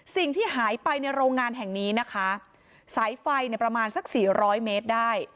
สิ่งที่หายไปในโรงงานแห่งนี้นะคะสายไฟเนี่ยประมาณสักสี่ร้อยเมตรได้